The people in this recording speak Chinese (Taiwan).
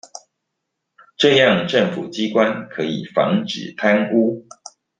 這樣政府機關可以防止貪污